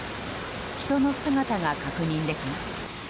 人の姿が確認できます。